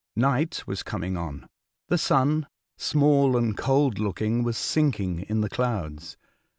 Night was coming on. The sun, small and cold looking, was sinking in the clouds.